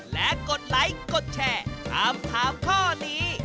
และกดไลค์กดแชร์ถามถามข้อนี้